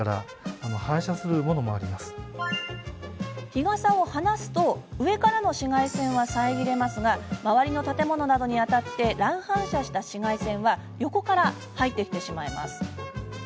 日傘を離すと上からの紫外線は遮れますが周りの建物などに当たって乱反射した紫外線は横から入ってきてしまいます。